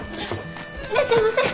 いらっしゃいませ。